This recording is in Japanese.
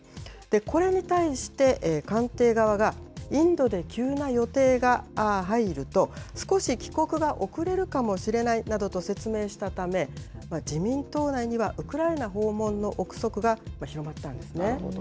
これに対して、官邸側がインドで急な予定が入ると少し帰国が遅れるかもしれないなどと説明したため自民党内にはウクライナ訪問の臆測が広まったんですね。